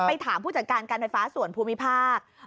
ถามผู้จัดการการไฟฟ้าส่วนภูมิภาค